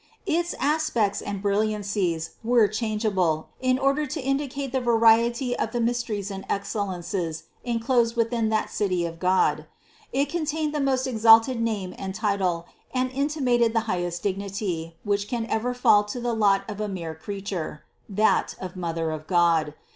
Its aspects and brilliancies were 294 CITY OF GOD changeable, in order to indicate the variety of the mys teries and excellences enclosed within that City of God. It contained the most exalted name and title, and inti mated the highest dignity, which ever can fall to the lot of a mere creature : that of Mother of God.